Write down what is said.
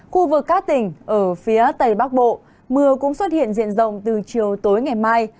khu vực các tỉnh ở phía tây bắc bộ mưa cũng xuất hiện diện rộng từ chiều tối ngày mai